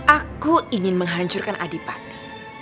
aku ingin menghancurkan adipati